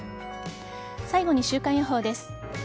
最後に週間予報です。